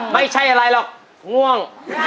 ไม่ใช่อะไรหรอกง่วง